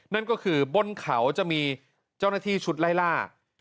นั่นก็คือบนเขาจะมีเจ้าหน้าที่ชุดไล่ล่า